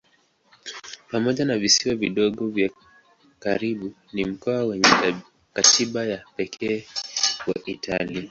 Pamoja na visiwa vidogo vya karibu ni mkoa wenye katiba ya pekee wa Italia.